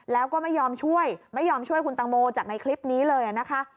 แล้วก็ไม่ยอมช่วยไม่ยอมช่วยคุณตังโมจากในคลิปนี้เลยนะคะ